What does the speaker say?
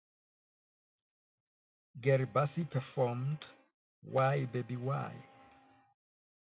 Gary Busey performed "Why Baby Why".